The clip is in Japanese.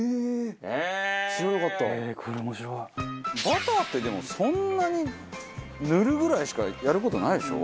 バターってでもそんなに塗るぐらいしかやる事ないでしょ？